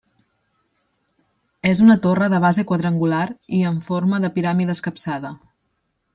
És una torre de base quadrangular i en forma de piràmide escapçada.